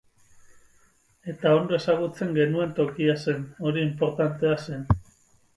Eta ondo ezagutzen genuen tokia zen, hori inportantea zen.